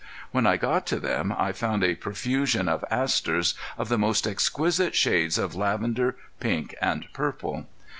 When I got to them I found a profusion of asters of the most exquisite shades of lavender, pink and purple.